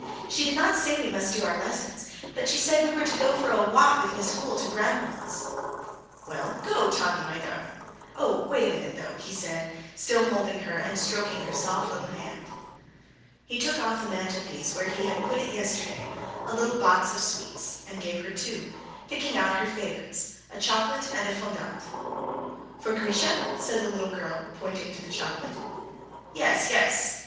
"She did not say we must do our lessons, but she said we were to go for a walk with Miss Hoole to grandmamma's." "Well, go, Tanya, my darling. Oh, wait a minute, though," he said, still holding her and stroking her soft little hand. He took off the mantelpiece, where he had put it yesterday, a little box of sweets, and gave her two, picking out her favorites, a chocolate and a fondant. "For Grisha?" said the little girl, pointing to the chocolate. "Yes, yes."